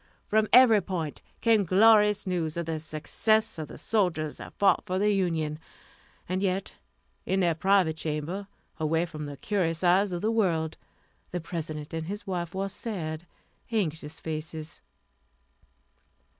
From every point came glorious news of the success of the soldiers that fought for the Union. And yet, in their private chamber, away from the curious eyes of the world, the President and his wife wore sad, anxious faces.